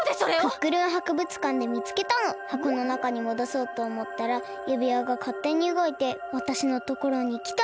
クックルンはくぶつかんでみつけたの。はこのなかにもどそうとおもったらゆびわがかってにうごいてわたしのところにきたの。